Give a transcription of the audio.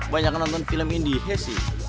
banyak nonton film indie sih